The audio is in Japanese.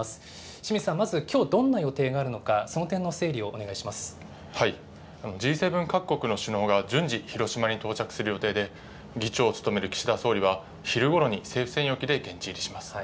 清水さん、まずきょうどんな予定があるのか、その点の整理をお願Ｇ７各国の首脳が順次、広島に到着する予定で、議長を務める岸田総理は昼ごろに政府専用機で現地入りします。